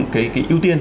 cái ưu tiên